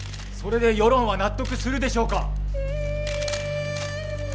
それで世論は納得するでしょうか！